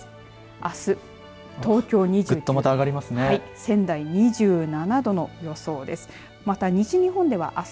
あす、東京２９度仙台２７度の予想です。